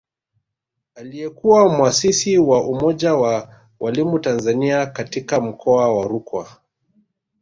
Aliyekuwa mwasisi wa Umoja wa Walimu Tanzania katika Mkoa wa Rukwa